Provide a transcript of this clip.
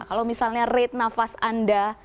kalau misalnya rate nafas anda